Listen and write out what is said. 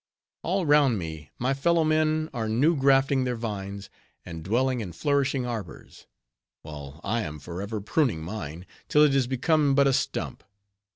All round me, my fellow men are new grafting their vines, and dwelling in flourishing arbors; while I am forever pruning mine, till it is become but a stump.